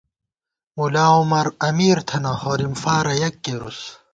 ملاعمر امیر تھنہ ، ہورِم فارہ یک کېرُوس